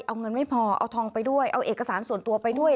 เอาเงินไม่พอเอาทองไปด้วยเอาเอกสารส่วนตัวไปด้วย